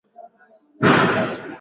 mtandao unatakiwa kuwa vizuri muda wote